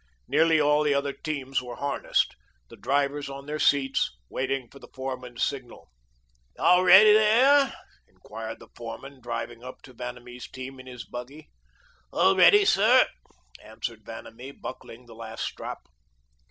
Nearly all the other teams were harnessed, the drivers on their seats, waiting for the foreman's signal. "All ready here?" inquired the foreman, driving up to Vanamee's team in his buggy. "All ready, sir," answered Vanamee, buckling the last strap.